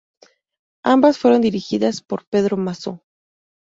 Ambas fueron dirigidas por Pedro Masó.